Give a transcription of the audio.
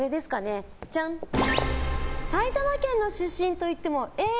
埼玉県の出身と言ってもえー！